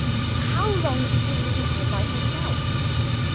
"How long did you leave her by herself?"